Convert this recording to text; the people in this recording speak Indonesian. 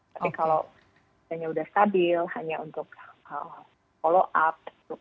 tapi kalau misalnya sudah stabil hanya untuk follow up